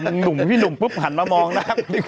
หนุ่มพี่หนุ่มปุ๊บหันมามองนะ